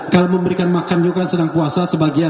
kalau memberikan makan juga sedang puasa